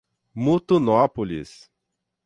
Mutunópolis